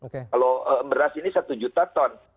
kalau beras ini satu juta ton